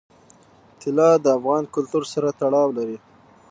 طلا د افغان کلتور سره تړاو لري.